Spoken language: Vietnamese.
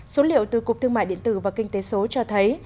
số liệu từ cục thương mại điện tử và kinh tế số cho thấy